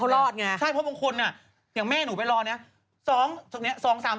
เพราะบางคนเนี่ยอย่างแม่หนูไปรอเนี่ย